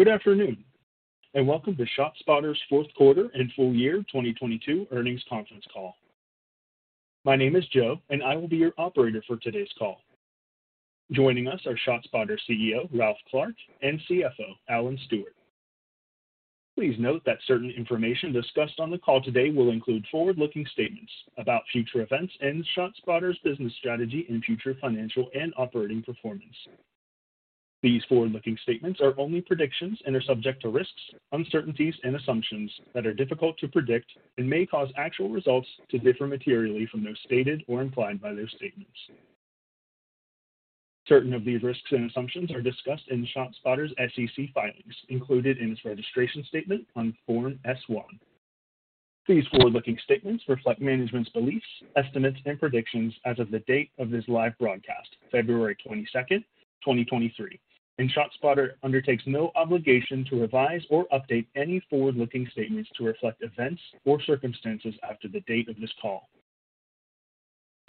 Good afternoon, welcome to ShotSpotter's fourth quarter and full year 2022 earnings conference call. My name is Joe, I will be your operator for today's call. Joining us are ShotSpotter's CEO, Ralph Clark, and CFO, Alan Stewart. Please note that certain information discussed on the call today will include forward-looking statements about future events and ShotSpotter's business strategy and future financial and operating performance. These forward-looking statements are only predictions and are subject to risks, uncertainties, and assumptions that are difficult to predict and may cause actual results to differ materially from those stated or implied by their statements. Certain of these risks and assumptions are discussed in ShotSpotter's SEC filings, included in its registration statement on Form S-1. These forward-looking statements reflect management's beliefs, estimates, and predictions as of the date of this live broadcast, February 22, 2023. ShotSpotter undertakes no obligation to revise or update any forward-looking statements to reflect events or circumstances after the date of this call.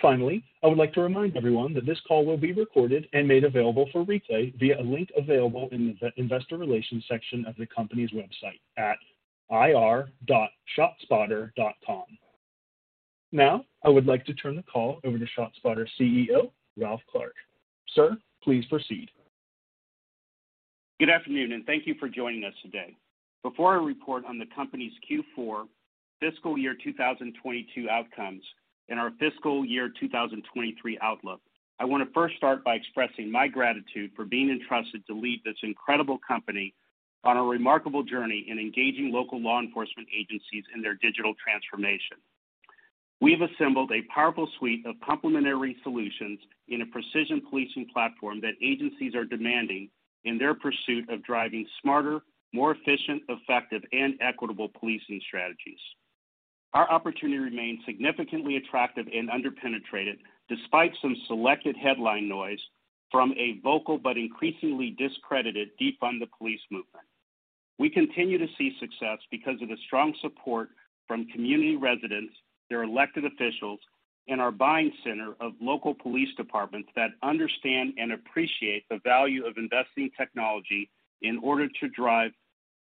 Finally, I would like to remind everyone that this call will be recorded and made available for replay via a link available in the investor relations section of the company's website at ir.shotspotter.com. Now, I would like to turn the call over to ShotSpotter's CEO, Ralph Clark. Sir, please proceed. Good afternoon, and thank you for joining us today. Before I report on the company's Q4 fiscal year 2022 outcomes and our fiscal year 2023 outlook, I wanna first start by expressing my gratitude for being entrusted to lead this incredible company on a remarkable journey in engaging local law enforcement agencies in their digital transformation. We have assembled a powerful suite of complementary solutions in a precision policing platform that agencies are demanding in their pursuit of driving smarter, more efficient, effective, and equitable policing strategies. Our opportunity remains significantly attractive and under-penetrated despite some selected headline noise from a vocal but increasingly discredited Defund the Police movement. We continue to see success because of the strong support from community residents, their elected officials, and our buying center of local police departments that understand and appreciate the value of investing technology in order to drive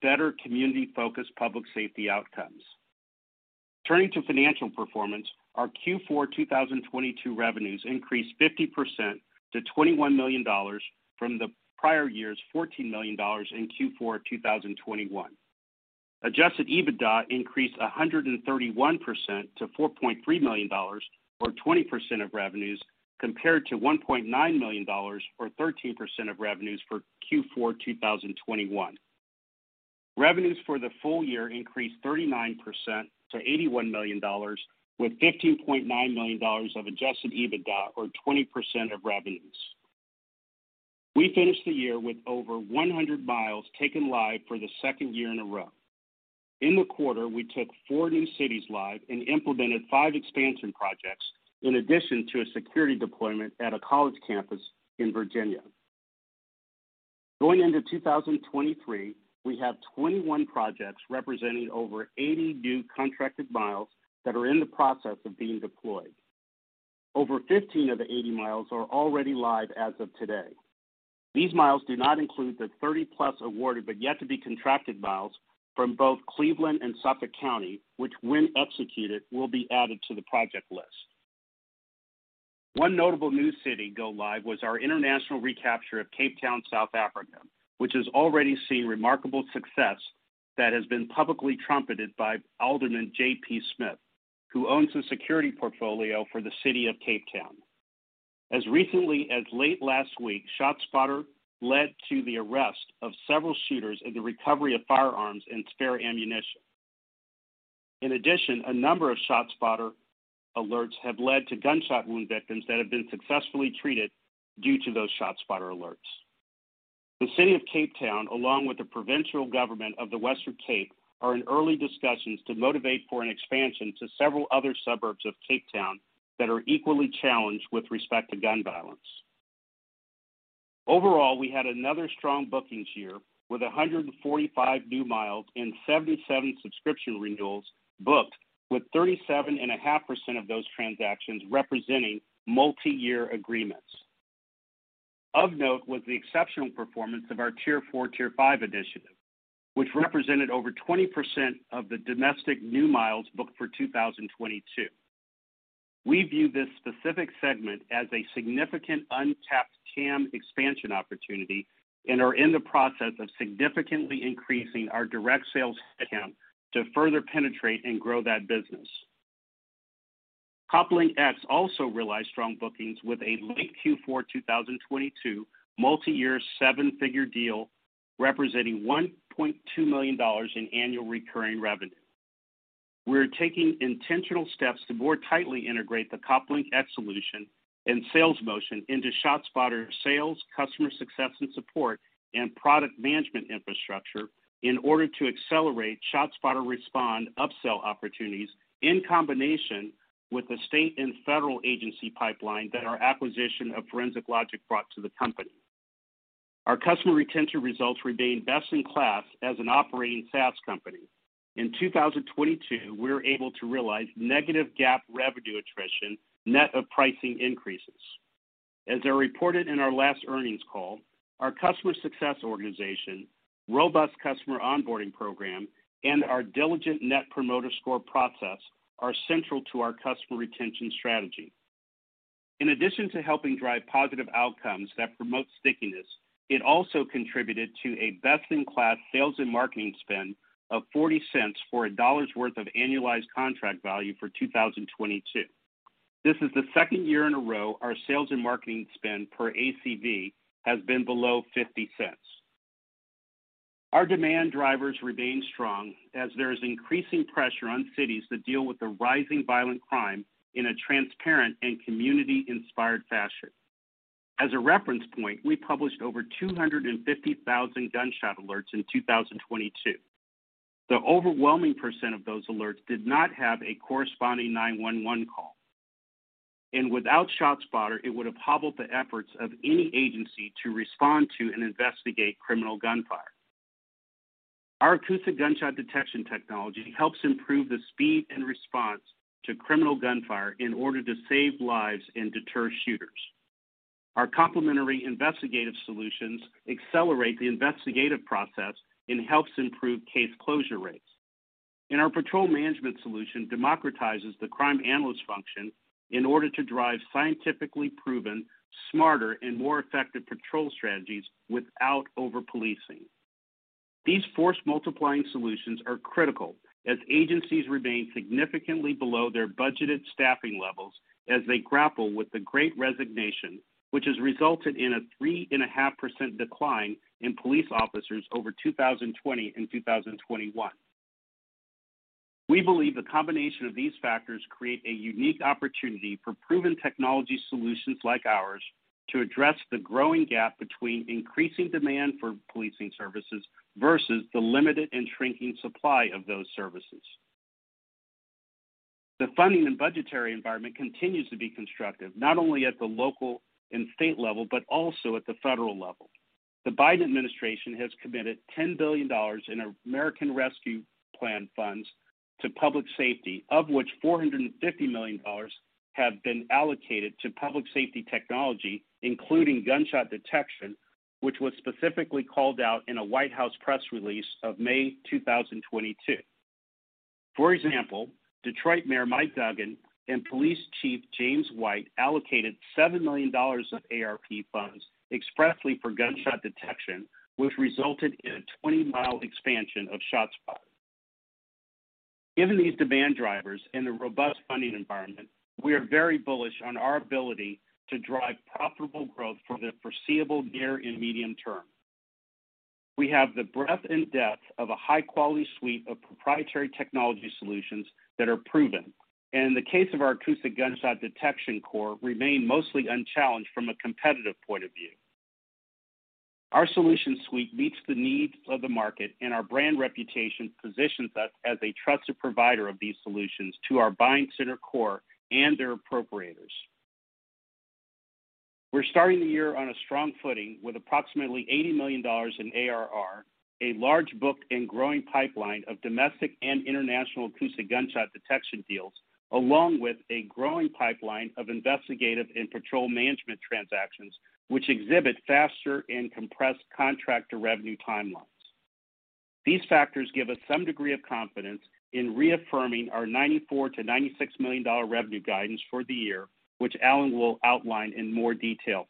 better community-focused public safety outcomes. Turning to financial performance, our Q4 2022 revenues increased 50% to $21 million from the prior year's $14 million in Q4 2021. Adjusted EBITDA increased 131% to $4.3 million, or 20% of revenues, compared to $1.9 million, or 13% of revenues for Q4 2021. Revenues for the full year increased 39% to $81 million, with $15.9 million of Adjusted EBITDA or 20% of revenues. We finished the year with over 100 miles taken live for the second year in a row. In the quarter we took four new cities live and implemented five expansion projects, in addition to a security deployment at a college campus in Virginia. Going into 2023, we have 21 projects representing over 80 new contracted miles that are in the process of being deployed. Over 15 of the 80 miles are already live as of today. These miles do not include the 30-plus awarded but yet to be contracted miles from both Cleveland and Suffolk County, which when executed, will be added to the project list. One notable new city go live was our international recapture of Cape Town, South Africa, which has already seen remarkable success that has been publicly trumpeted by Alderman JP Smith, who owns the security portfolio for the city of Cape Town. As recently as late last week, ShotSpotter led to the arrest of several shooters and the recovery of firearms and spare ammunition. In addition a number of ShotSpotter alerts have led to gunshot wound victims that have been successfully treated due to those ShotSpotter alerts. The city of Cape Town, along with the provincial government of the Western Cape, are in early discussions to motivate for an expansion to several other suburbs of Cape Town that are equally challenged with respect to gun violence. Overall, we had another strong bookings year with 145 new miles and 77 subscription renewals booked, with 37.5% of those transactions representing multi-year agreements. Of note was the exceptional performance of our tier four, tier five initiative, which represented over 20% of the domestic new miles booked for 2022. We view this specific segment as a significant untapped TAM expansion opportunity and are in the process of significantly increasing our direct sales headcount to further penetrate and grow that business. COPLINK X also realized strong bookings with a late Q4 2022 multi-year seven-figure deal representing $1.2 million in annual recurring revenue. We are taking intentional steps to more tightly integrate the COPLINK X solution and sales motion into ShotSpotter sales, customer success and support, and product management infrastructure in order to accelerate ShotSpotter Respond upsell opportunities in combination with the state and federal agency pipeline that our acquisition of Forensic Logic brought to the company. Our customer retention results remain best in class as an operating SaaS company. In 2022, we were able to realize negative GAAP revenue attrition net of pricing increases. As I reported in our last earnings call, our customer success organization, robust customer onboarding program, and our diligent Net Promoter Score process are central to our customer retention strategy. In addition to helping drive positive outcomes that promote stickiness, it also contributed to a best-in-class sales and marketing spend of $0.40 for a $1 worth of annualized contract value for 2022. This is the second year in a row our sales and marketing spend per ACV has been below $0.50. Our demand drivers remain strong as there is increasing pressure on cities to deal with the rising violent crime in a transparent and community-inspired fashion. As a reference point, we published over 250,000 gunshot alerts in 2022. The overwhelming % of those alerts did not have a corresponding 911 call. Without ShotSpotter, it would have hobbled the efforts of any agency to respond to and investigate criminal gunfire. Our acoustic gunshot detection technology helps improve the speed and response to criminal gunfire in order to save lives and deter shooters. Our complementary investigative solutions accelerate the investigative process and helps improve case closure rates. In our patrol management solution democratizes the crime analyst function in order to drive scientifically proven, smarter, and more effective patrol strategies without over-policing. These force-multiplying solutions are critical as agencies remain significantly below their budgeted staffing levels as they grapple with the great resignation, which has resulted in a 3.5% decline in police officers over 2020 and 2021. We believe the combination of these factors create a unique opportunity for proven technology solutions like ours to address the growing gap between increasing demand for policing services versus the limited and shrinking supply of those services. The funding and budgetary environment continues to be constructive, not only at the local and state level, but also at the federal level. The Biden administration has committed $10 billion in American Rescue Plan funds to public safety, of which $450 million have been allocated to public safety technology, including gunshot detection, which was specifically called out in a White House press release of May 2022. For example, Detroit Mayor Mike Duggan and Police Chief James White allocated $7 million of ARP funds expressly for gunshot detection, which resulted in a 20-mile expansion of ShotSpotter. Given these demand drivers and the robust funding environment, we are very bullish on our ability to drive profitable growth for the foreseeable near and medium term. We have the breadth and depth of a high-quality suite of proprietary technology solutions that are proven, and in the case of our acoustic gunshot detection core, remain mostly unchallenged from a competitive point of view. Our solution suite meets the needs of the market, and our brand reputation positions us as a trusted provider of these solutions to our buying center core and their appropriators. We are starting the year on a strong footing with approximately $80 million in ARR, a large book and growing pipeline of domestic and international acoustic gunshot detection deals, along with a growing pipeline of investigative and patrol management transactions, which exhibit faster and compressed contractor revenue timelines. These factors give us some degree of confidence in reaffirming our $94 million-$96 million revenue guidance for the year, which Alan will outline in more detail.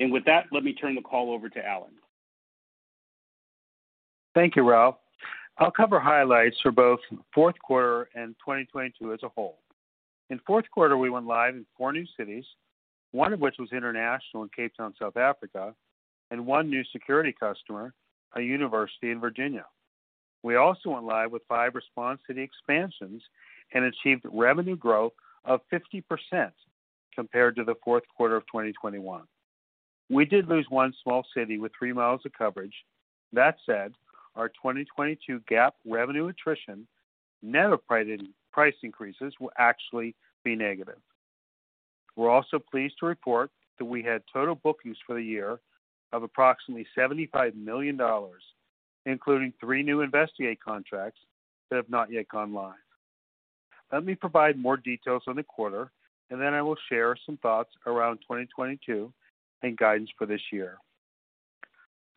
With that, let me turn the call over to Alan. Thank you, Ralph. I will cover highlights for both fourth quarter and 2022 as a whole. In fourth quarter, we went live in four new cities, one of which was international in Cape Town, South Africa, and one new security customer, a university in Virginia. We also went live with five response city expansions and achieved revenue growth of 50% compared to the fourth quarter of 2021. We did lose one small city with three miles of coverage. That said, our 2022 GAAP revenue attrition, net of price increases, will actually be negative. We are also pleased to report that we had total bookings for the year of approximately $75 million, including three new Investigate contracts that have not yet gone live. Let me provide more details on the quarter, then I will share some thoughts around 2022 and guidance for this year.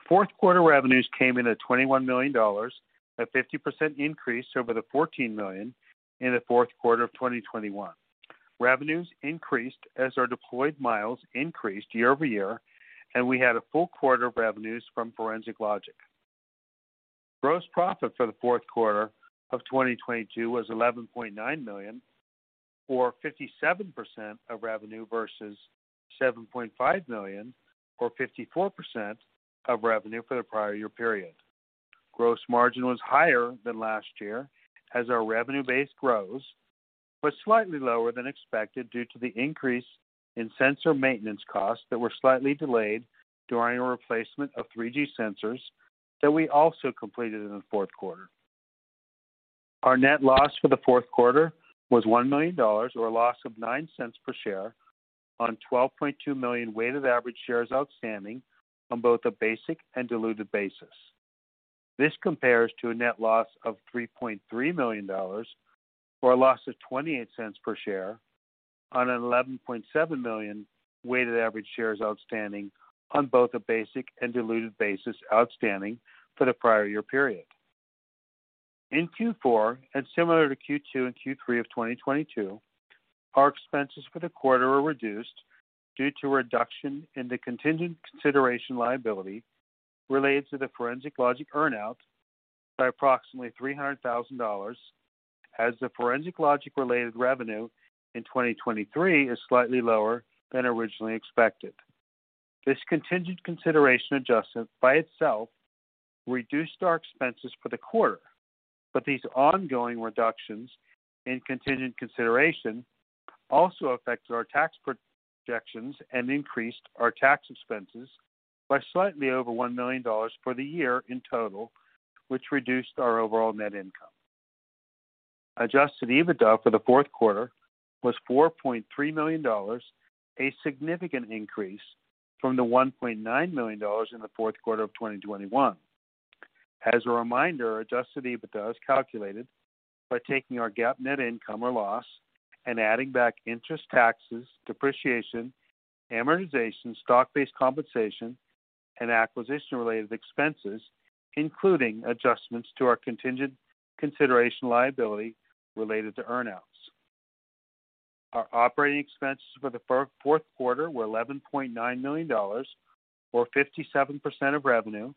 Fourth quarter revenues came in at $21 million, a 50% increase over the $14 million in the fourth quarter of 2021. Revenues increased as our deployed miles increased year-over-year, and we had a full quarter of revenues from Forensic Logic. Gross profit for the fourth quarter of 2022 was $11.9 million or 57% of revenue versus $7.5 million or 54% of revenue for the prior year period. Gross margin was higher than last year as our revenue base grows, but slightly lower than expected due to the increase in sensor maintenance costs that were slightly delayed during a replacement of 3G sensors that we also completed in the fourth quarter. Our net loss for the fourth quarter was $1 million or a loss of $0.09 per share on 12.2 million weighted average shares outstanding on both a basic and diluted basis. This compares to a net loss of $3.3 million or a loss of $0.28 per share on an 11.7 million weighted average shares outstanding on both a basic and diluted basis outstanding for the prior year period. In Q4, similar to Q2 and Q3 of 2022, our expenses for the quarter were reduced due to a reduction in the contingent consideration liability related to the Forensic Logic earn-out by approximately $300,000, as the Forensic Logic-related revenue in 2023 is slightly lower than originally expected. This contingent consideration adjustment by itself reduced our expenses for the quarter, but these ongoing reductions in contingent consideration also affected our tax projections and increased our tax expenses by slightly over $1 million for the year in total, which reduced our overall net income. Adjusted EBITDA for the fourth quarter was $4.3 million, a significant increase from the $1.9 million in the fourth quarter of 2021. As a reminder, Adjusted EBITDA is calculated by taking our GAAP net income or loss and adding back interest taxes, depreciation, amortization, stock-based compensation, and acquisition-related expenses, including adjustments to our contingent consideration liability related to earn-outs. Our operating expenses for the fourth quarter were $11.9 million, or 57% of revenue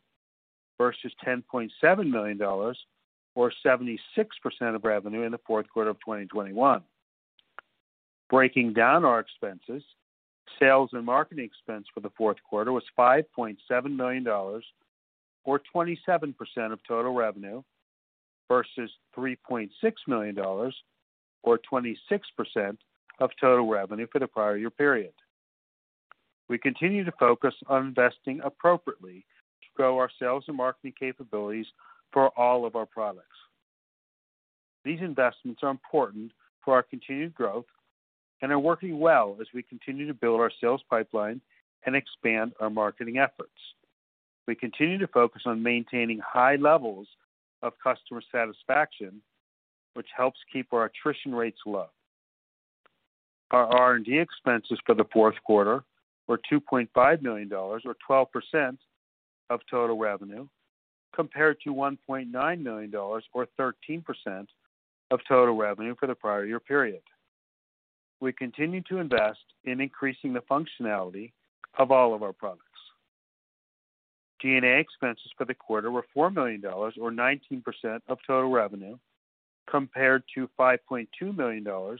versus $10.7 million or 76% of revenue in the fourth quarter of 2021. Breaking down our expenses, sales and marketing expense for the fourth quarter was $5.7 million or 27% of total revenue versus $3.6 million or 26% of total revenue for the prior year period. We continue to focus on investing appropriately to grow our sales and marketing capabilities for all of our products. These investments are important for our continued growth and are working well as we continue to build our sales pipeline and expand our marketing efforts. We continue to focus on maintaining high levels of customer satisfaction, which helps keep our attrition rates low. Our R&D expenses for the fourth quarter were $2.5 million or 12% of total revenue compared to $1.9 million or 13% of total revenue for the prior year period. We continue to invest in increasing the functionality of all of our products. G&A expenses for the quarter were $4 million or 19% of total revenue compared to $5.2 million or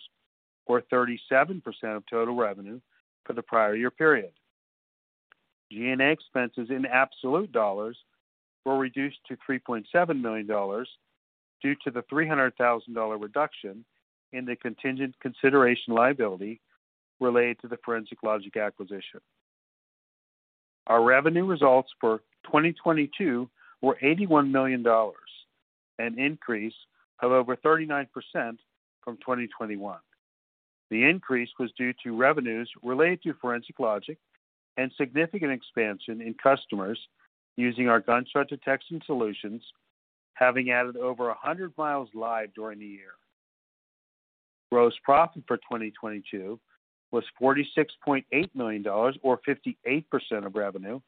37% of total revenue for the prior year period. G&A expenses in absolute dollars were reduced to $3.7 million due to the $300,000 reduction in the contingent consideration liability related to the Forensic Logic acquisition. Our revenue results for 2022 were $81 million, an increase of over 39% from 2021. The increase was due to revenues related to Forensic Logic and significant expansion in customers using our gunshot detection solutions, having added over 100 miles live during the year. Gross profit for 2022 was $46.8 million or 58% of revenue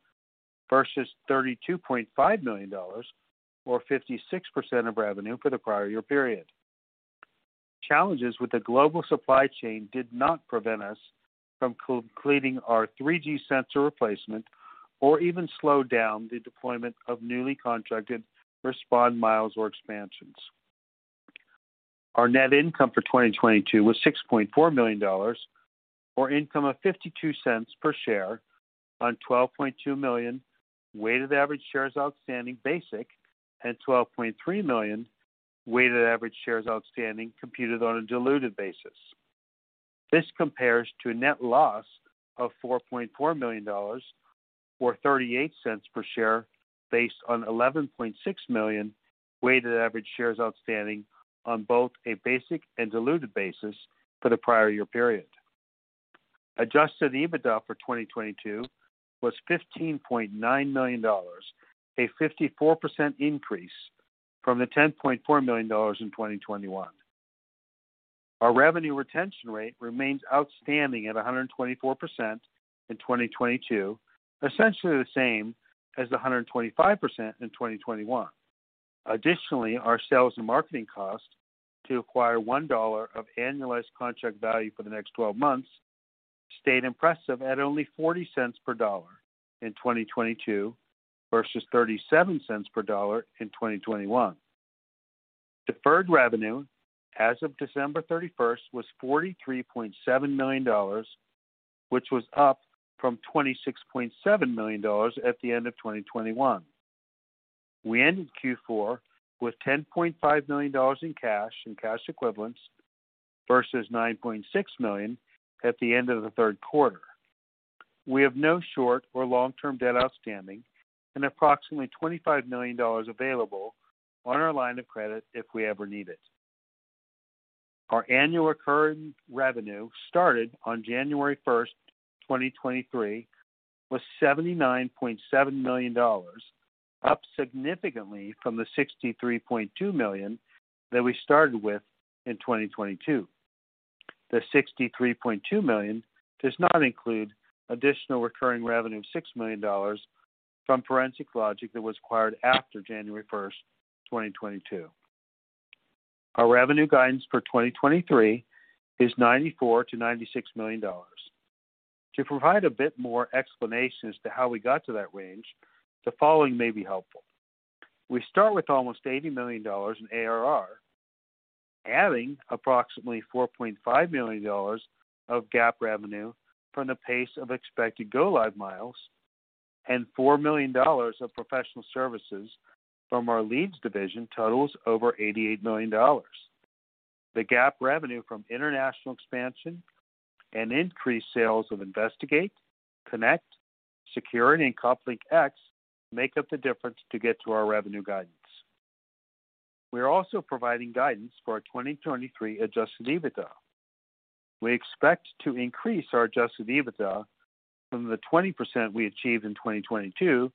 versus $32.5 million or 56% of revenue for the prior year period. Challenges with the global supply chain did not prevent us from completing our 3G sensor replacement or even slow down the deployment of newly contracted respond miles or expansions. Our net income for 2022 was $6.4 million or income of $0.52 per share on 12.2 million weighted average shares outstanding basic and 12.3 million weighted average shares outstanding computed on a diluted basis. This compares to a net loss of $4.4 million or $0.38 per share based on 11.6 million weighted average shares outstanding on both a basic and diluted basis for the prior year period. Adjusted EBITDA for 2022 was $15.9 million, a 54% increase from the $10.4 million in 2021. Our revenue retention rate remains outstanding at 124% in 2022, essentially the same as the 125% in 2021. Our sales and marketing costs to acquire $1 of annualized contract value for the next 12 months stayed impressive at only $0.40 per dollar in 2022 versus $0.37 per dollar in 2021. Deferred revenue as of December 31st was $43.7 million, which was up from $26.7 million at the end of 2021. We ended Q4 with $10.5 million in cash and cash equivalents versus $9.6 million at the end of the 3rd quarter. We have no short or long-term debt outstanding and approximately $25 million available on our line of credit if we ever need it. Our annual recurring revenue started on January 1, 2023, was $79.7 million, up significantly from the $63.2 million that we started with in 2022. The $63.2 million does not include additional recurring revenue of $6 million from Forensic Logic that was acquired after January 1, 2022. Our revenue guidance for 2023 is $94 million-$96 million. To provide a bit more explanation as to how we got to that range, the following may be helpful. We start with almost $80 million in ARR. Adding approximately $4.5 million of GAAP revenue from the pace of expected go live miles and $4 million of professional services from our Leads division totals over $88 million. The GAAP revenue from international expansion and increased sales of Investigate, Connect, Security, and COPLINK X make up the difference to get to our revenue guidance. We're also providing guidance for our 2023 Adjusted EBITDA. We expect to increase our Adjusted EBITDA from the 20% we achieved in 2022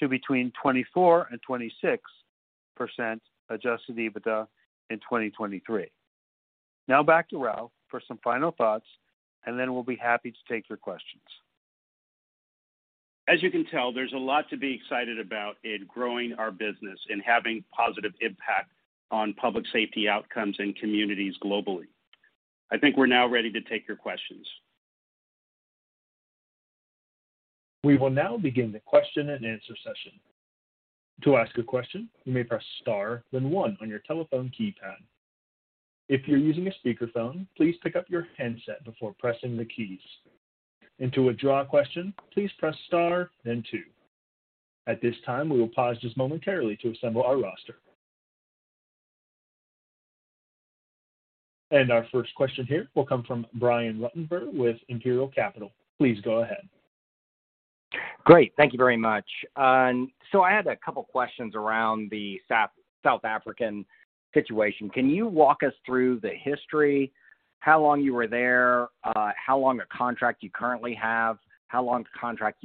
to between 24% and 26% Adjusted EBITDA in 2023. Back to Ralph for some final thoughts, and then we will be happy to take your questions. As you can tell, there's a lot to be excited about in growing our business and having positive impact on public safety outcomes in communities globally. I think we're now ready to take your questions. We will now begin the question and answer session. To ask a question, you may press star, then one on your telephone keypad. If you're using a speakerphone, please pick up your handset before pressing the keys. To withdraw a question, please press star then two. At this time, we will pause just momentarily to assemble our roster. Our first question here will come from Brian Ruttenbur with Imperial Capital. Please go ahead. Great. Thank you very much. I had a couple questions around the South African situation. Can you walk us through the history, how long you were there, how long a contract you currently have, how long the contract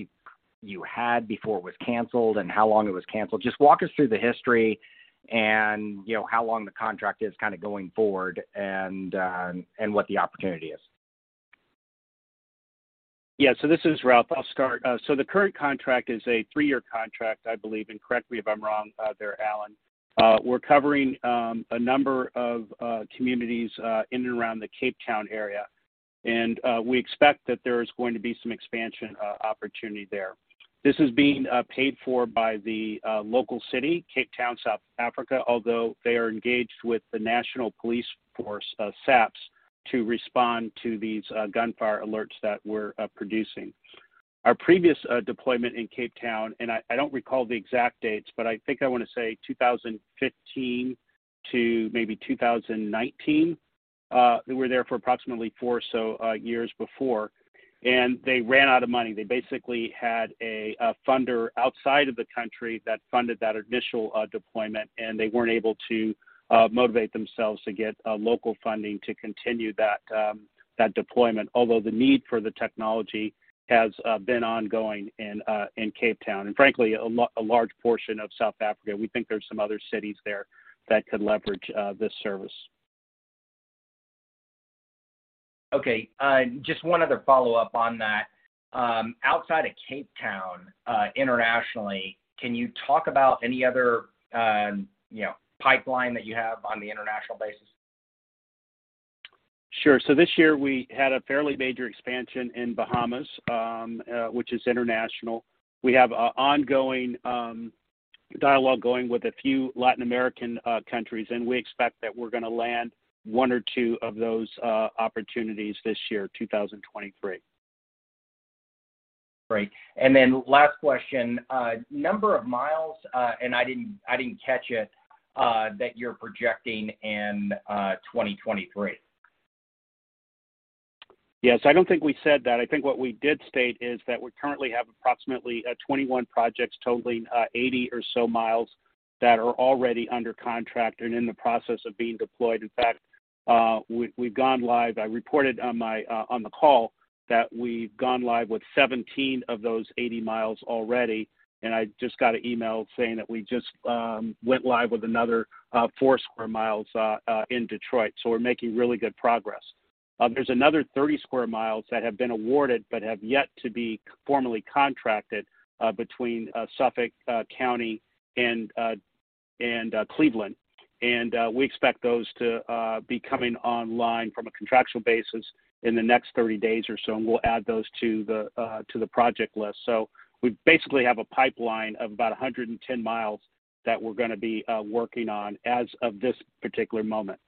you had before it was canceled, and how long it was canceled? Just walk us through the history and, you know, how long the contract is kinda going forward and what the opportunity is. Yeah. This is Ralph. I will start. The current contract is a three-year contract, I believe, and correct me if I'm wrong, there, Alan. We are covering a number of communities in and around the Cape Town area, and we expect that there is going to be some expansion opportunity there. This is being paid for by the local city, Cape Town, South Africa, although they are engaged with the national police force, SAPS, to respond to these gunfire alerts that we're producing. Our previous deployment in Cape Town, and I don't recall the exact dates, but I think I wanna say 2015 to maybe 2019. We were there for approximately four or so years before. They ran out of money. They basically had a funder outside of the country that funded that initial deployment. They weren't able to motivate themselves to get local funding to continue that deployment, although the need for the technology has been ongoing in Cape Town, and frankly, a large portion of South Africa. We think there is some other cities there that could leverage this service. Okay. Just one other follow-up on that. Outside of Cape Town, internationally, can you talk about any other, you know, pipeline that you have on the international basis? Sure. This year we had a fairly major expansion in Bahamas, which is international. We have a ongoing dialogue going with a few Latin American countries, we expect that we are gonna land 1 or 2 of those opportunities this year, 2023. Great. Then last question. Number of miles, and I didn't catch it, that you are projecting in 2023? Yes. I don't think we said that. I think what we did state is that we currently have approximately 21 projects totaling 80 or so miles that are already under contract and in the process of being deployed. In fact, we've gone live. I reported on my on the call that we have gone live with 17 of those 80 miles already, and I just got an email saying that we just went live with another 4 square miles in Detroit. We're making really good progress. There is another 30 square miles that have been awarded but have yet to be formally contracted between Suffolk County and Cleveland. We expect those to be coming online from a contractual basis in the next 30 days or so, and we'll add those to the project list. We basically have a pipeline of about 110 miles that we're gonna be working on as of this particular moment.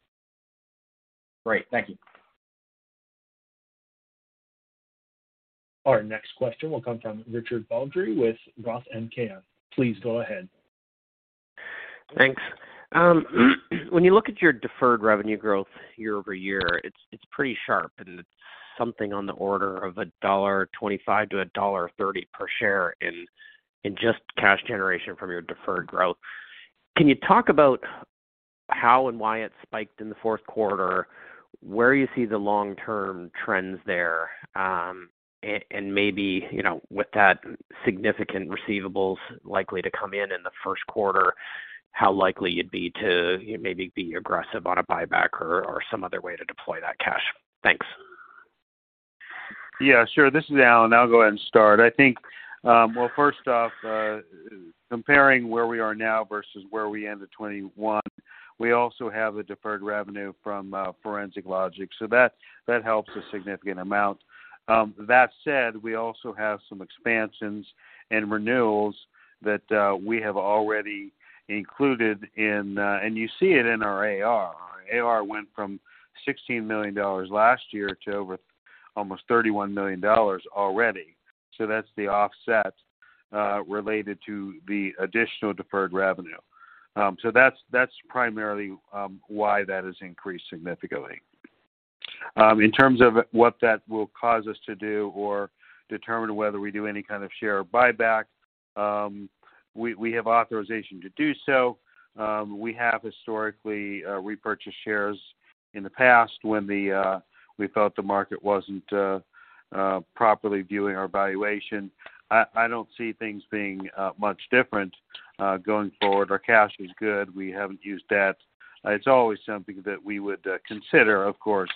Great. Thank you. Our next question will come from Richard Baldry with ROTH MKM. Please go ahead. Thanks. When you look at your deferred revenue growth year-over-year, it's pretty sharp, and it's something on the order of $1.25 to $1.30 per share in just cash generation from your deferred growth. How and why it spiked in the fourth quarter, where you see the long-term trends there, and maybe, you know, with that significant receivables likely to come in in the first quarter, how likely you'd be to maybe be aggressive on a buyback or some other way to deploy that cash? Thanks. Yeah, sure. This is Alan. I'll go ahead and start. I think, well, first off, comparing where we are now versus where we ended 2021, we also have a deferred revenue from Forensic Logic. That helps a significant amount. That said, we also have some expansions and renewals that we have already included in and you see it in our AR. Our AR went from $16 million last year to over almost $31 million already. That's the offset related to the additional deferred revenue. That's primarily why that has increased significantly. In terms of what that will cause us to do or determine whether we do any kind of share buyback, we have authorization to do so. We have historically repurchased shares in the past when we felt the market wasn't properly viewing our valuation. I don't see things being much different going forward. Our cash is good. We haven't used that. It's always something that we would consider, of course,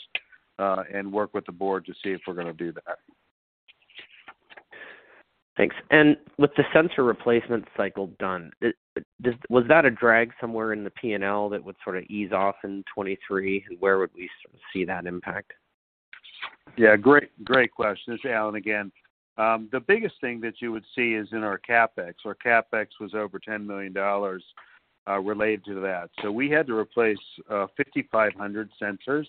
and work with the board to see if we're gonna do that. Thanks. With the sensor replacement cycle done, was that a drag somewhere in the P&L that would sort of ease off in 2023? Where would we sort of see that impact? Yeah, great question. It's Alan again. The biggest thing that you would see is in our CapEx. Our CapEx was over $10 million related to that. We had to replace 5,500 sensors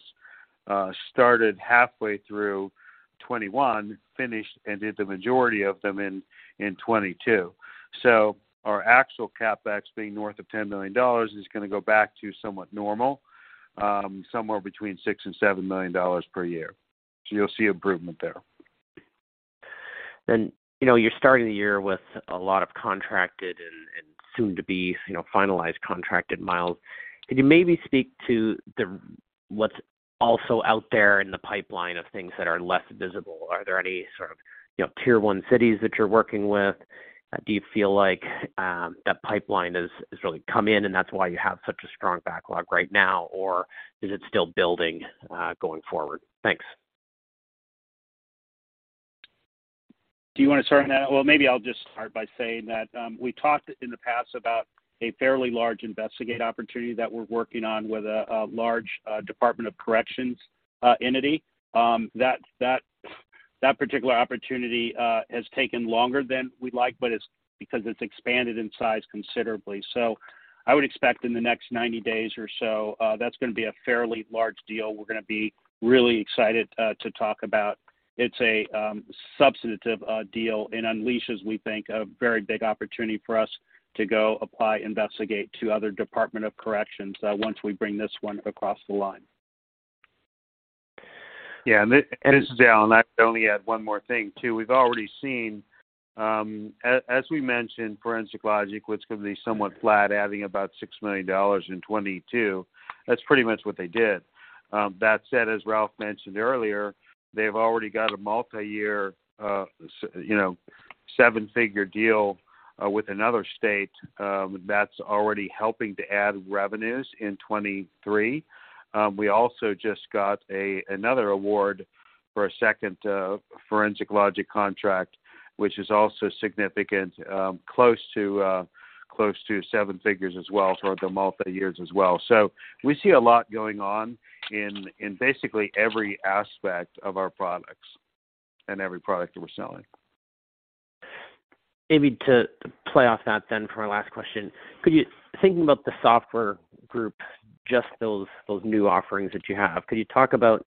started halfway through 2021, finished and did the majority of them in 2022. Our actual CapEx being north of $10 million is gonna go back to somewhat normal, somewhere between $6 million and $7 million per year. You'll see improvement there. You know, you are starting the year with a lot of contracted and soon to be, you know, finalized contracted miles. Could you maybe speak to what's also out there in the pipeline of things that are less visible? Are there any sort of, you know, tier one cities that you're working with? Do you feel like that pipeline has really come in, and that's why you have such a strong backlog right now, or is it still building going forward? Thanks. Do you wanna start on that? Maybe I'll just start by saying that, we talked in the past about a fairly large CaseBuilder opportunity that we are working on with a large department of corrections entity. That particular opportunity has taken longer than we'd like, but it's because it's expanded in size considerably. I would expect in the next 90 days or so, that's gonna be a fairly large deal we are gonna be really excited to talk about. It's a substantive deal and unleashes, we think, a very big opportunity for us to go apply CaseBuilder to other department of corrections once we bring this one across the line. This is Alan. I'd only add one more thing, too. We have already seen, as we mentioned, Forensic Logic, what's gonna be somewhat flat, adding about $6 million in 2022. That is pretty much what they did. That said, as Ralph mentioned earlier, they've already got a multi-year, you know, seven-figure deal with another state that's already helping to add revenues in 2023. We also just got another award for a second Forensic Logic contract, which is also significant, close to seven figures as well for the multi-years as well. We see a lot going on in basically every aspect of our products and every product that we're selling. Maybe to play off that for my last question. Could you thinking about the software group, just those new offerings that you have, could you talk about,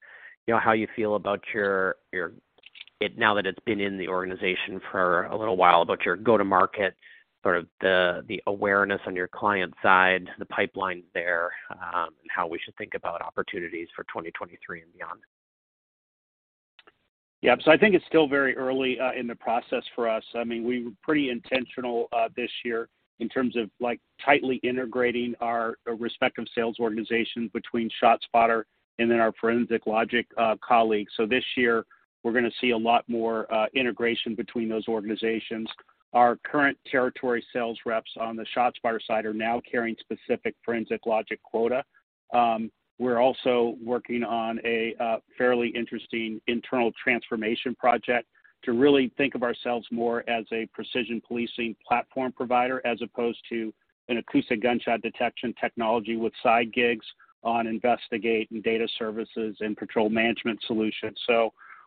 you know, how you feel about your it now that it's been in the organization for a little while, about your go-to-market, sort of the awareness on your client side, the pipeline there, and how we should think about opportunities for 2023 and beyond? Yeah. I think it's still very early in the process for us. I mean, we were pretty intentional this year in terms of, like, tightly integrating our respective sales organizations between ShotSpotter and then our Forensic Logic colleagues. This year, we are gonna see a lot more integration between those organizations. Our current territory sales reps on the ShotSpotter side are now carrying specific Forensic Logic quota. We are also working on a fairly interesting internal transformation project to really think of ourselves more as a precision policing platform provider as opposed to an acoustic gunshot detection technology with side gigs on Investigate and data services and patrol management solutions.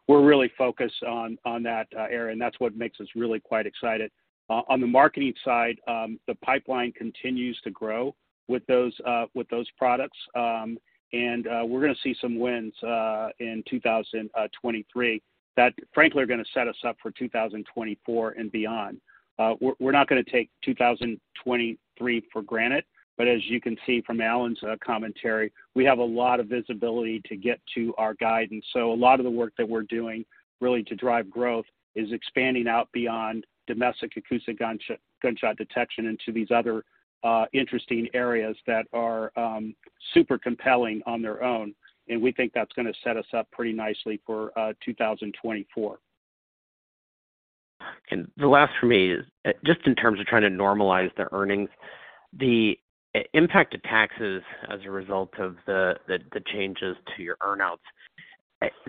We are really focused on that area, and that's what makes us really quite excited. On the marketing side, the pipeline continues to grow with those with those products. We are gonna see some wins in 2023 that frankly are gonna set us up for 2024 and beyond. We're not gonna take 2023 for granted, but as you can see from Alan's commentary, we have a lot of visibility to get to our guidance. A lot of the work that we're doing really to drive growth is expanding out beyond domestic acoustic gunshot detection into these other interesting areas that are super compelling on their own, and we think that's gonna set us up pretty nicely for 2024. The last for me is just in terms of trying to normalize the earnings, the impact to taxes as a result of the changes to your earn-outs,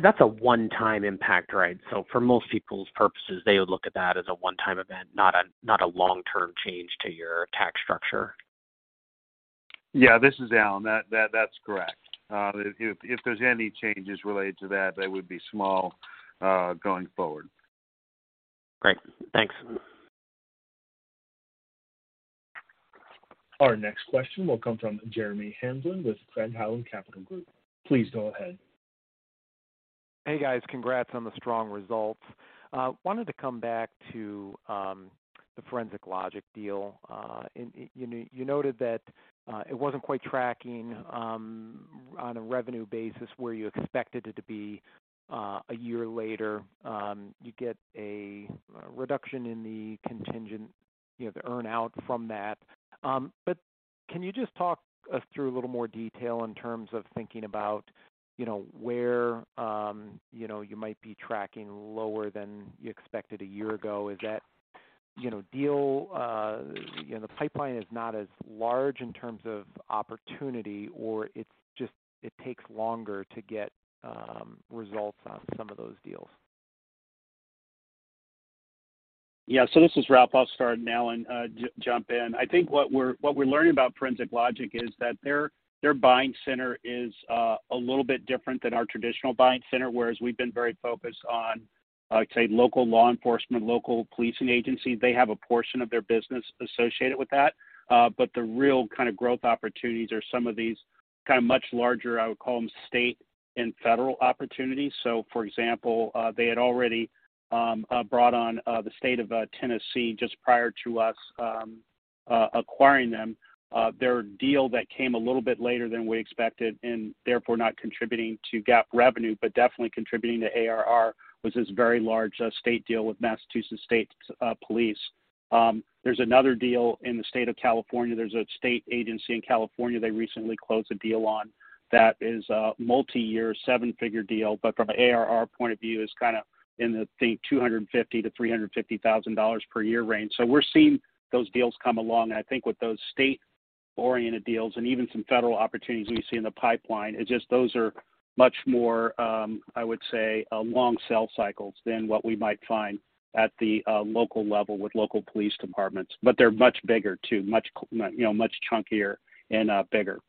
that's a one-time impact, right? For most people's purposes, they would look at that as a one-time event, not a long-term change to your tax structure. Yeah, this is Alan. That is correct. If there's any changes related to that, they would be small, going forward. Great. Thanks. Our next question will come from Jeremy Hamblin with Craig-Hallum Capital Group. Please go ahead. Hey, guys. Congrats on the strong results. wanted to come back to the Forensic Logic deal. You noted that it wasn't quite tracking on a revenue basis where you expected it to be a year later. You get a reduction in the contingent, you know, the earn-out from that. Can you just talk us through a little more detail in terms of thinking about, you know, where, you know, you might be tracking lower than you expected a year ago? Is that, you know, deal, you know, the pipeline is not as large in terms of opportunity or it's just it takes longer to get results on some of those deals. This is Ralph. I'll start, and Alan, jump in. I think what we are learning about Forensic Logic is that their buying center is a little bit different than our traditional buying center, whereas we have been very focused on, I'd say, local law enforcement, local policing agencies. They have a portion of their business associated with that. But the real kind of growth opportunities are some of these kind of much larger, I would call them state and federal opportunities. For example, they had already brought on the State of Tennessee just prior to us acquiring them. Their deal that came a little bit later than we expected and therefore not contributing to GAAP revenue, but definitely contributing to ARR, was this very large state deal with Massachusetts State Police. There is another deal in the State of California. There's a state agency in California they recently closed a deal on that is a multi-year 7-figure deal, from an ARR point of view, is kind of in the, I think, $250,000-$350,000 per year range. We're seeing those deals come along. I think with those state-oriented deals and even some federal opportunities we see in the pipeline, it's just those are much more, I would say, long sell cycles than what we might find at the local level with local police departments. They're much bigger too, much, you know, much chunkier and bigger.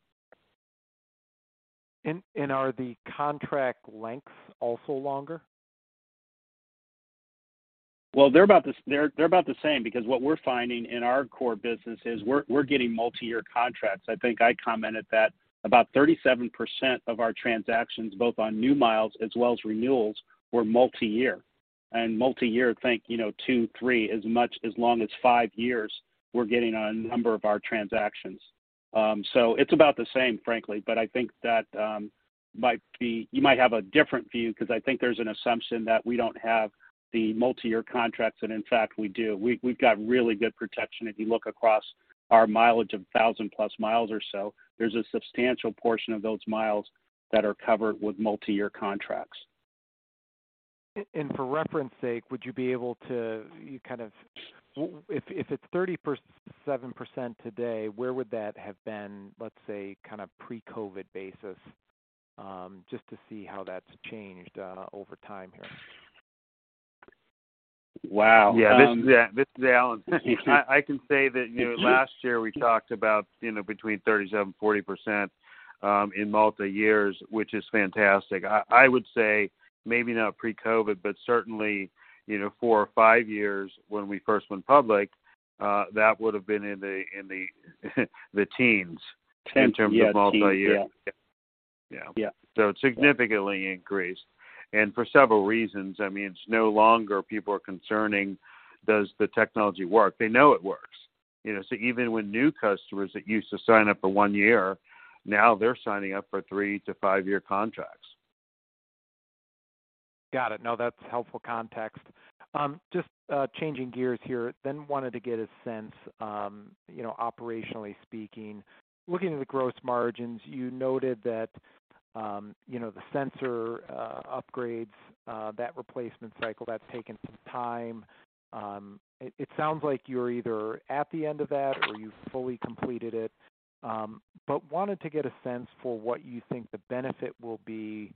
Are the contract lengths also longer? They are about the same because what we're finding in our core business is we're getting multi-year contracts. I think I commented that about 37% of our transactions, both on new miles as well as renewals, were multi-year. Multi-year, think, you know, 2, 3, as much as long as 5 years, we're getting on a number of our transactions. It's about the same, frankly, but I think that might be. You might have a different view because I think there is an assumption that we don't have the multi-year contracts, and in fact, we do. We've got really good protection. If you look across our mileage of 1,000-plus miles or so, there's a substantial portion of those miles that are covered with multi-year contracts. And for reference sake, would you be able to kind of if it's 37% today, where would that have been, let's say, kind of pre-COVID basis, just to see how that's changed over time here? Wow. Yeah. This is, this is Alan. I can say that, you know, last year we talked about, you know, between 37%-40%, in multi-years, which is fantastic. I would say maybe not pre-COVID, but certainly, you know, 4 or 5 years when we first went public, that would have been in the teens. Teens, yeah. in terms of multi-year. Yes. Yeah. Yeah. It significantly increased and for several reasons. I mean, it's no longer people are concerning does the technology work. They know it works, you know. Even with new customers that used to sign up for 1 year, now they're signing up for 3 to 5-year contracts. Got it. No, that's helpful context. Just changing gears here, wanted to get a sense, you know, operationally speaking, looking at the gross margins, you noted that, you know, the sensor upgrades, that replacement cycle, that's taken some time. It sounds like you're either at the end of that or you've fully completed it. Wanted to get a sense for what you think the benefit will be,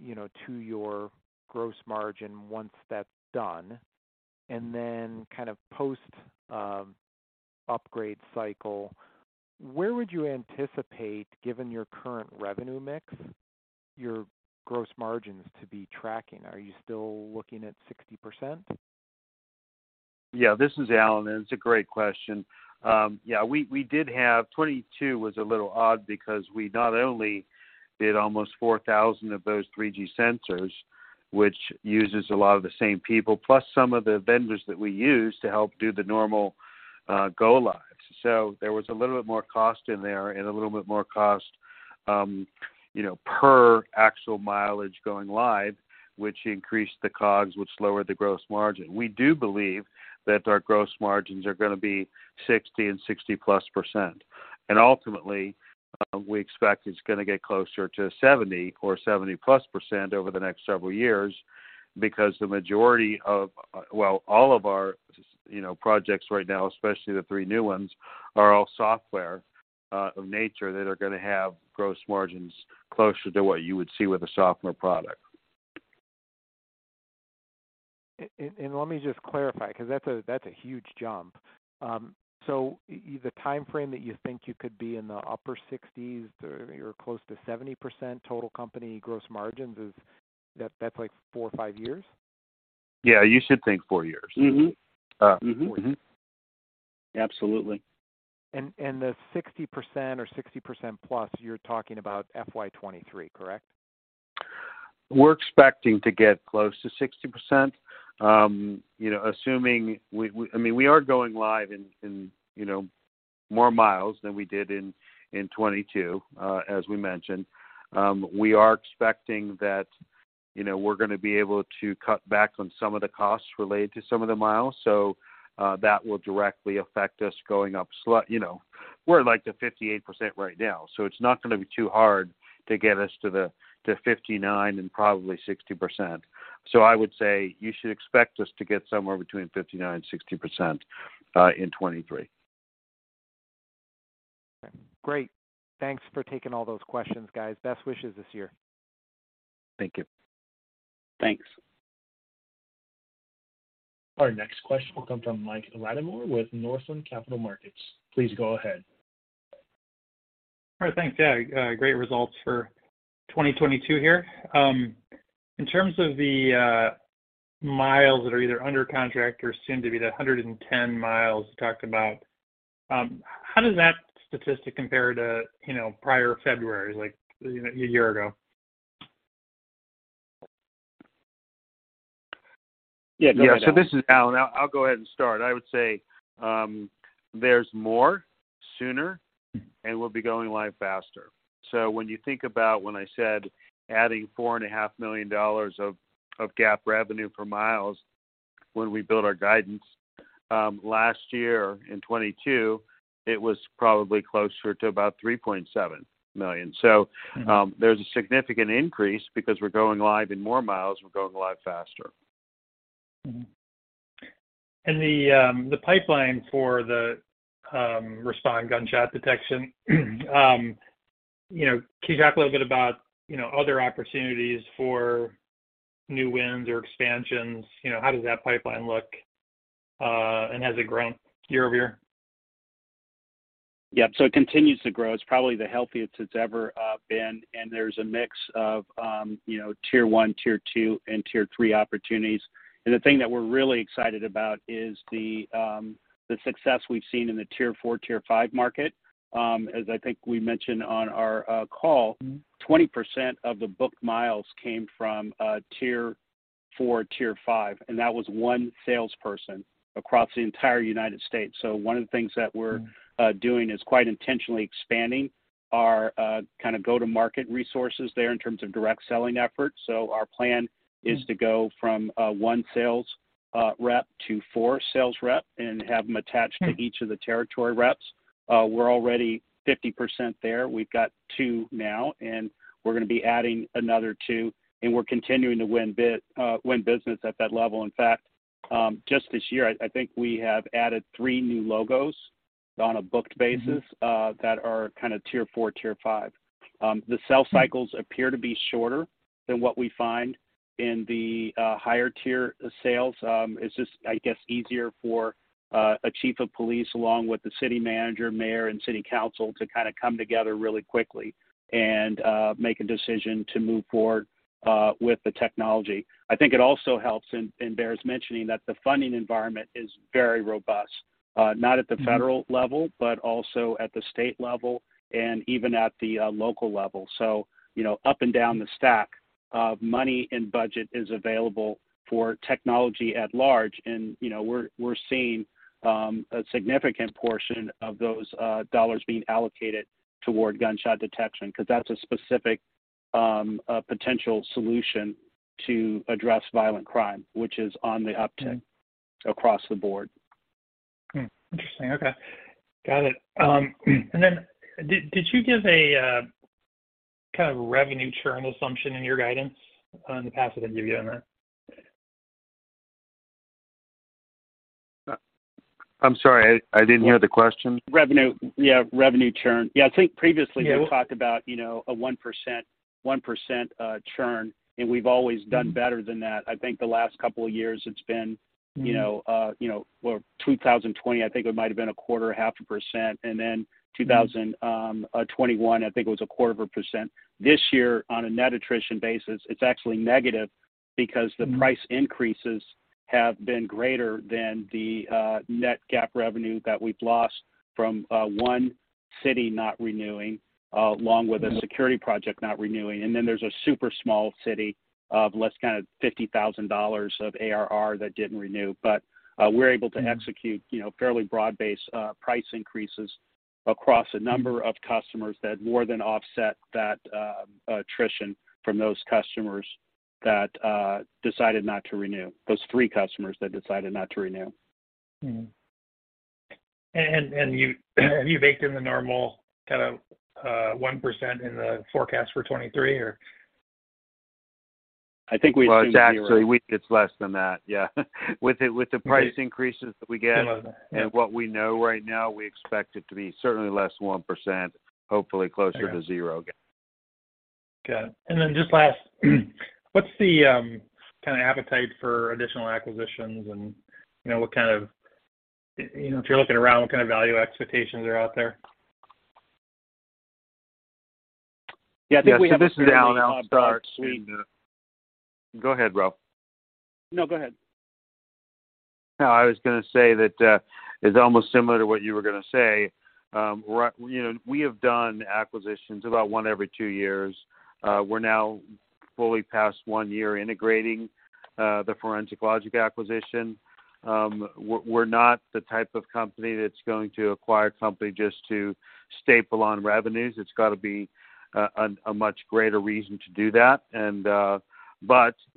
you know, to your gross margin once that's done. Kind of post upgrade cycle, where would you anticipate, given your current revenue mix, your gross margins to be tracking? Are you still looking at 60%? Yeah, this is Alan, and it's a great question. We did have 2022 was a little odd because we not only did almost 4,000 of those 3G sensors, which uses a lot of the same people, plus some of the vendors that we use to help do the normal go lives. There was a little bit more cost in there and a little bit more cost, you know, per actual mileage going live, which increased the COGS, which lowered the gross margin. We do believe that our gross margins are gonna be 60 and 60+%. Ultimately, we expect it's gonna get closer to 70 or 70+% over the next several years because the majority of... Well, all of our, you know projects right now, especially the three new ones, are all software of nature that are gonna have gross margins closer to what you would see with a software product. Let me just clarify, 'cause that's a huge jump. The timeframe that you think you could be in the upper 60s or you are close to 70% total company gross margins is... That's like 4 or 5 years? Yeah, you should think four years. Mm-hmm. Four years. Mm-hmm. Absolutely. The 60% or 60% plus, you're talking about FY 2023, correct? We are expecting to get close to 60%. You know, assuming I mean, we are going live in, you know, more miles than we did in 2022, as we mentioned. We are expecting that, you know, we are gonna be able to cut back on some of the costs related to some of the miles, so that will directly affect us going up. You know, we're like to 58% right now, so it's not gonna be too hard to get us to 59 and probably 60%. I would say you should expect us to get somewhere between 59%-60% in 2023. Great. Thanks for taking all those questions, guys. Best wishes this year. Thank you. Thanks. Our next question will come from Mike Latimore with Northland Capital Markets. Please go ahead. All right. Thanks. Yeah, great results for 2022 here. In terms of the miles that are either under contract or soon to be, the 110 miles you talked about, how does that statistic compare to, you know, prior February, like, you know, a year ago? Yeah. Go ahead, Al. This is Alan, and I'll go ahead and start. I would say, there's more sooner, and we will be going live faster. When you think about when I said adding four and a half million dollars of GAAP revenue for miles when we built our guidance, last year in 2022, it was probably closer to about $3.7 million. So there's a significant increase because we're going live in more miles, we're going live faster. The pipeline for the Respond gunshot detection, you know, can you talk a little bit about, you know, other opportunities for new wins or expansions? You know, how does that pipeline look and has it grown year-over-year? It continues to grow. It's probably the healthiest it's ever been, and there is a mix of, you know, tier one, tier two, and tier three opportunities. And the thing that we're really excited about is the success we've seen in the tier four, tier five market. As I think we mentioned on our. Mm-hmm. 20% of the booked miles came from tier four, tier five, and that was 1 salesperson across the entire United States. Mm. Doing is quite intentionally expanding our kind of go-to-market resources there in terms of direct selling efforts. Our plan is to go from one sales rep to four sales rep and have them attached to each of the territory reps. We're already 50% there. We've got two now, and we're gonna be adding another two, and we're continuing to win business at that level. In fact, just this year, I think we have added three new logos on a booked basis... Mm-hmm. that are kinda tier four, tier five. The sales cycles appear to be shorter than what we find in the higher tier sales. It's just, I guess, easier for a chief of police, along with the city manager, mayor, and city council to kinda come together really quickly and make a decision to move forward with the technology. I think it also helps, and bears mentioning that the funding environment is very robust, not at the federal level, but also at the state level and even at the local level. You know, up and down the stack of money and budget is available for technology at large. You know, we're seeing a significant portion of those dollars being allocated toward gunshot detection, 'cause that's a specific potential solution to address violent crime, which is on the uptick across the board. Interesting. Okay. Got it. Did you give a kind of revenue churn assumption in your guidance on the passive that you gave on that? I'm sorry. I didn't hear the question. Revenue. Yeah, revenue churn. Yeah. I think previously we talked about, you know, a 1%, 1% churn, and we've always done better than that. I think the last couple of years it's been, you know, you know. Well, 2020, I think it might have been a quarter, half a %. 2021, I think it was a quarter of a %. This year, on a net attrition basis, it's actually negative because the price increases have been greater than the net GAAP revenue that we've lost from one city not renewing, along with a security project not renewing. There's a super small city of less kind of $50,000 of ARR that didn't renew. We're able to execute, you know, fairly broad-based price increases across a number of customers that more than offset that attrition from those three customers that decided not to renew. Mm-hmm. Have you baked in the normal kind of, 1% in the forecast for 23, or? I think we- Well, it's actually it's less than that, yeah. With the price increases that we. Less than that. Yep. What we know right now, we expect it to be certainly less than 1%, hopefully closer to 0 again. Got it. Then just last, what is the kind of appetite for additional acquisitions and, you know, if you're looking around, what kind of value expectations are out there? Yeah, I think we have a pretty good- Yeah. This is Alan. I'll start. Go ahead, Ralph. No, go ahead. No, I was gonna say that, it's almost similar to what you were gonna say. you know, we have done acquisitions, about one every two years. We are now fully past one year integrating, the Forensic Logic acquisition. We're not the type of company that is going to acquire a company just to staple on revenues. It's gotta be a much greater reason to do that.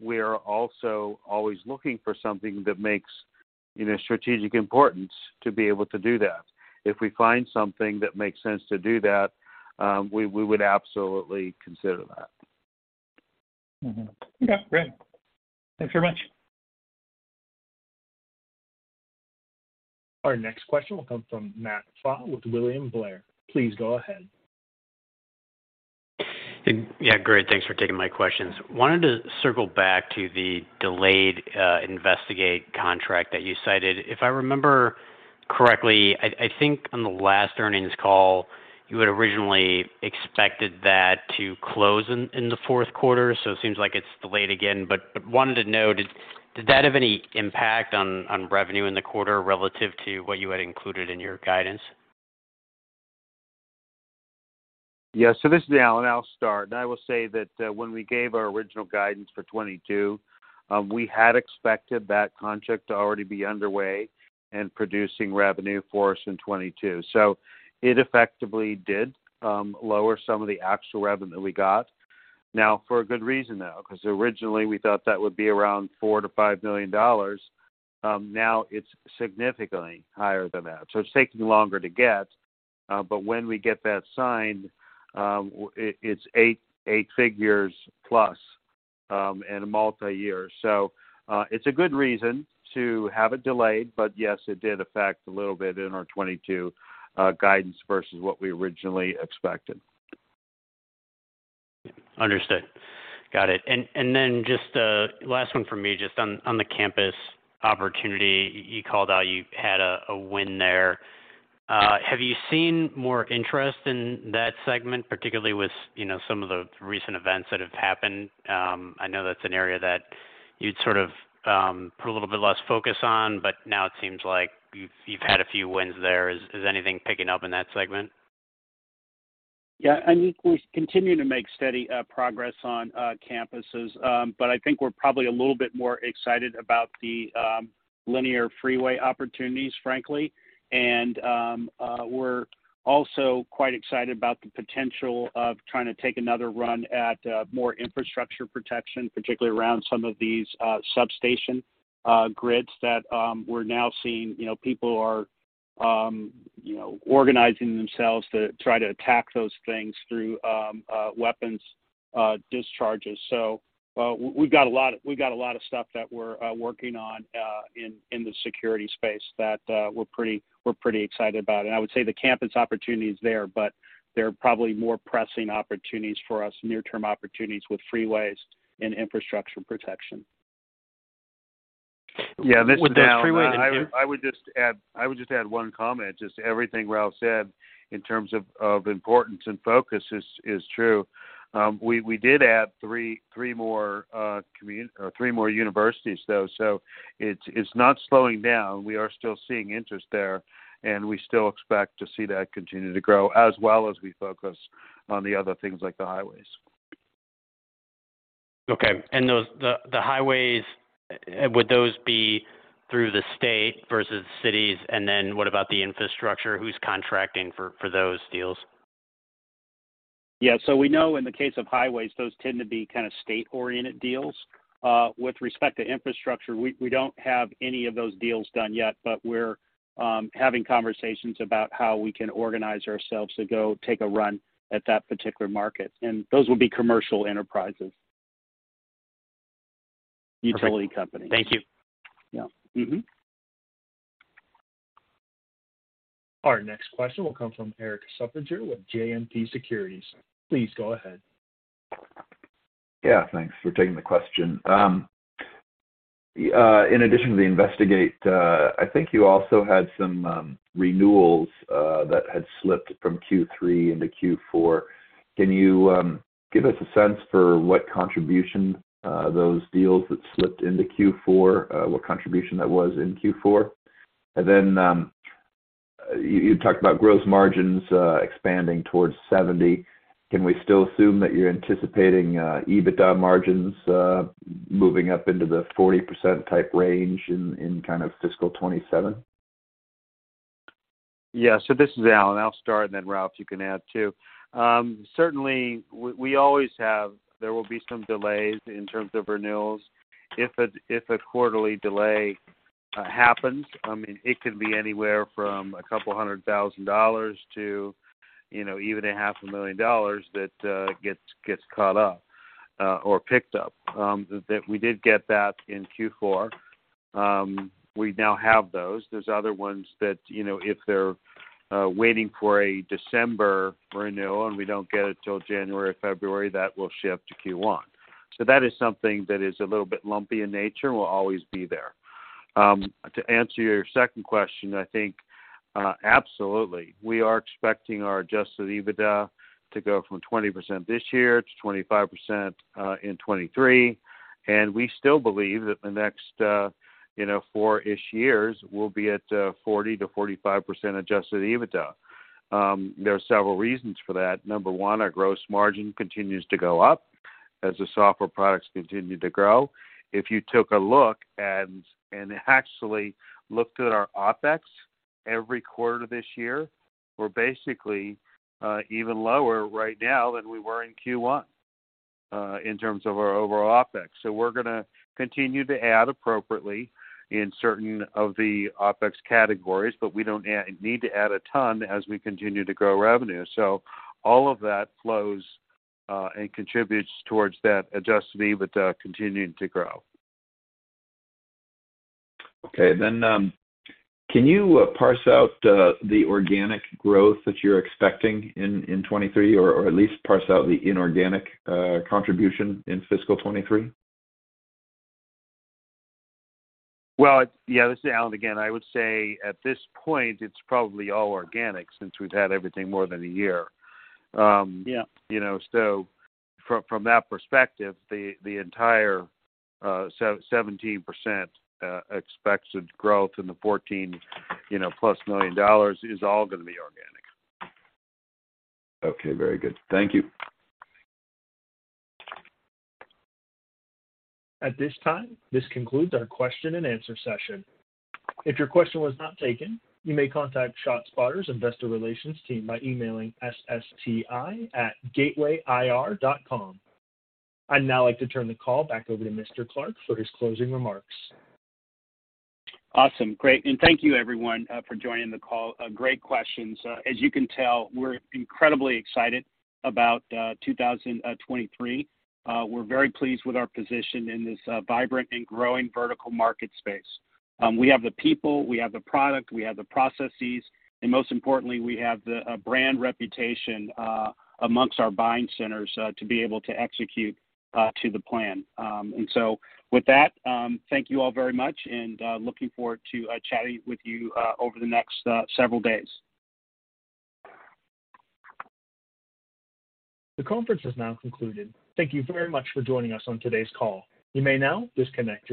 We are also always looking for something that makes, you know, strategic importance to be able to do that. If we find something that makes sense to do that, we would absolutely consider that. Mm-hmm. Okay. Great. Thanks very much. Our next question will come from Matt Pfau with William Blair. Please go ahead. Yeah, great. Thanks for taking my questions. Wanted to circle back to the delayed CaseBuilder contract that you cited. If I remember correctly, I think on the last earnings call, you had originally expected that to close in the fourth quarter, so it seems like it's delayed again. Wanted to know, did that have any impact on revenue in the quarter relative to what you had included in your guidance? This is Alan. I will start. I will say that when we gave our original guidance for 22, we had expected that contract to already be underway and producing revenue for us in 22. It effectively did lower some of the actual revenue that we got. Now, for a good reason, though, 'cause originally, we thought that would be around $4 million-$5 million. Now it's significantly higher than that. So it's taking longer to get, but when we get that signed, it's eight figures plus and multiyear. So it's a good reason to have it delayed, but yes, it did affect a little bit in our 22 guidance versus what we originally expected. Understood. Got it. Then just a last one from me just on the campus opportunity. You called out you had a win there. Have you seen more interest in that segment, particularly with, you know, some of the recent events that have happened? I know that's an area that you'd sort of put a little bit less focus on, but now it seems like you've had a few wins there. Is anything picking up in that segment? Yeah. I mean, we continue to make steady progress on campuses. I think we're probably a little bit more excited about the linear freeway opportunities, frankly. We are also quite excited about the potential of trying to take another run at more infrastructure protection, particularly around some of these substation grids that we're now seeing. You know, people are, you know, organizing themselves to try to attack those things through weapons discharges. We got a lot of stuff that we're working on in the security space that we are pretty, we're pretty excited about. I would say the campus opportunity is there, but there are probably more pressing opportunities for us, near-term opportunities with freeways and infrastructure protection. Yeah. This is Alan. With those freeways. I would just add one comment. Just everything Ralph said in terms of importance and focus is true. We did add 3 more or 3 more universities though, so it's not slowing down. We are still seeing interest there, and we still expect to see that continue to grow as well as we focus on the other things like the highways. Okay. The highways, would those be through the state versus cities? What about the infrastructure? Who's contracting for those deals? Yeah. We know in the case of highways, those tend to be kind of state-oriented deals. With respect to infrastructure, we don't have any of those deals done yet, but we are having conversations about how we can organize ourselves to go take a run at that particular market. Those would be commercial enterprises. Utility companies. Perfect. Thank you. Yeah. Mm-hmm. Our next question will come from Erik Suppiger with JMP Securities. Please go ahead. Yeah. Thanks for taking the question. In addition to the CaseBuilder, I think you also had some renewals that had slipped from Q3 into Q4. Can you give us a sense for what contribution those deals that slipped into Q4, what contribution that was in Q4? You talked about gross margins expanding towards 70. Can we still assume that you are anticipating EBITDA margins moving up into the 40% type range in kind of fiscal 2027? Yeah. This is Alan. I'll start and then, Ralph, you can add, too. Certainly, there will be some delays in terms of renewals. If a quarterly delay happens, I mean, it can be anywhere from $200,000 to, you know, even half a million dollars that gets caught up or picked up. That we did get that in Q4. We now have those. There's other ones that, you know, if they are waiting for a December renewal and we don't get it till January, February, that will ship to Q1. That is something that is a little bit lumpy in nature and will always be there. To answer your second question, I think, absolutely. We are expecting our Adjusted EBITDA to go from 20% this year to 25% in 2023. We still believe that the next, you know, four-ish years we'll be at 40%-45% Adjusted EBITDA. There are several reasons for that. Number 1, our gross margin continues to go up as the software products continue to grow. If you took a look and actually looked at our OpEx every quarter this year, we're basically even lower right now than we were in Q1 in terms of our overall OpEx. We're gonna continue to add appropriately in certain of the OpEx categories, but we don't need to add a ton as we continue to grow revenue. All of that flows and contributes towards that Adjusted EBITDA continuing to grow. Okay. Can you parse out the organic growth that you're expecting in 2023? Or, at least parse out the inorganic contribution in fiscal 2023? Well, yeah. This is Alan again. I would say at this point it's probably all organic since we've had everything more than a year. Yeah. You know, from that perspective, the entire 17% expected growth in the $14, you know, plus million dollars is all gonna be organic. Okay. Very good. Thank you. At this time, this concludes our question and answer session. If your question was not taken, you may contact ShotSpotter's investor relations team by emailing ssti@gatewayir.com. I'd now like to turn the call back over to Mr. Clark for his closing remarks. Awesome. Great. Thank you everyone for joining the call. Great questions. As you can tell, we're incredibly excited about 2023. We are very pleased with our position in this vibrant and growing vertical market space. We have the people, we have the product, we have the processes, and most importantly, we have the brand reputation amongst our buying centers to be able to execute to the plan. With that, thank you all very much and looking forward to chatting with you over the next several days. The conference is now concluded. Thank you very much for joining us on today's call. You may now disconnect.